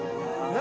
何？